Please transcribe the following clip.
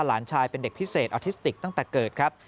หลานชายเป็นเด็กพิเศษออทิสติกตั้งแต่เกิดครับ